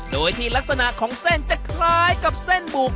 โดยที่ลักษณะของเส้นจะคล้ายกับเส้นบุก